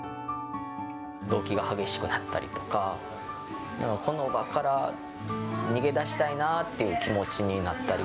どうきが激しくなったりとか、この場から逃げ出したいなっていう気持ちになったり。